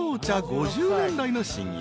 ５０年来の親友。